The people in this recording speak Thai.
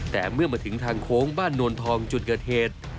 แต่เมื่อมาถึงทางโค้งบ้านโนนทองจุดเกิดเหตุ